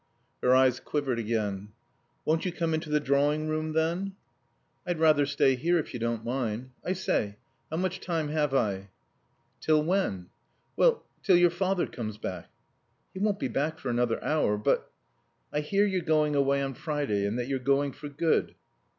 Her eyes quivered again. "Won't you come into the drawing room, then?" "I'd rather stay here if you don't mind. I say, how much time have I?" "Till when?" "Well till your father comes back?" "He won't be back for another hour. But " "I hear you're going away on Friday; and that you're going for good."